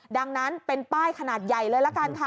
ดังนั้นเป็นป้ายขนาดใหญ่เลยละกันค่ะ